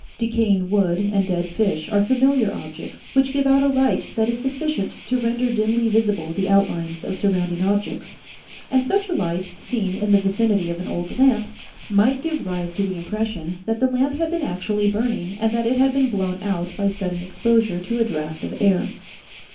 Decaying wood and dead fish are familiar objects which give out a light that is sufficient to render dimly visible the outlines of surrounding objects, and such JOO PERPETUAL OR EyERj BURNLNG ^AMES, IOI a light, seen in the vicinity of an old lamp, might give rise to the impression that the lamp had been actually burning and that it had been blown out by sudden exposure to a draft of air.